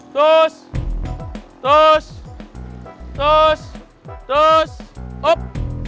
terus terus terus terus hop